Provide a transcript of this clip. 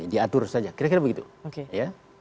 diatur saja kira kira begitu oke ya